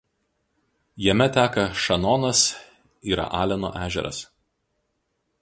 Jame teka Šanonas yra Aleno ežeras.